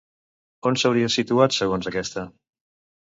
On s'hauria situat segons aquesta?